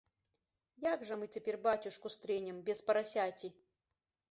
Як жа мы цяпер бацюшку стрэнем без парасяці?